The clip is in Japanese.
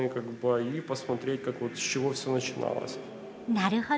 なるほど。